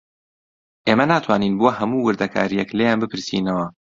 ئێمە ناتوانین بۆ هەموو وردەکارییەک لێیان بپرسینەوە